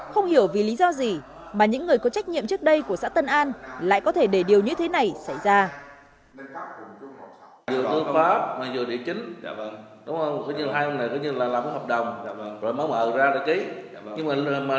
không hiểu vì lý do gì mà những người có trách nhiệm trước đây của xã tân an lại có thể để điều như thế này xảy ra